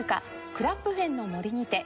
『クラップフェンの森にて』。